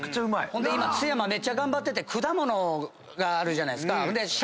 ほんで今津山めっちゃ頑張ってて果物があるじゃない。